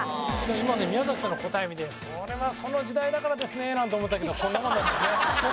今ね宮崎さんの答え見てねそれはその時代だからですねえなんて思ったけどこんなもんなんですね。